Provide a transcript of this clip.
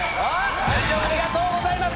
ありがとうございます！